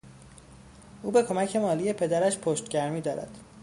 او به کمک مالی پدرش پشتگرمی دارد.